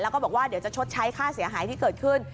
แล้วก็บอกว่าเดี๋ยวจะชดใช้ค่าเสียหายที่เกิดขึ้น